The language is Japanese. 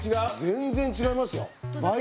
全然違いますよ。